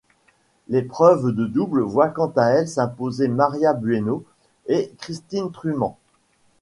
L'épreuve de double voit quant à elle s'imposer Maria Bueno et Christine Truman.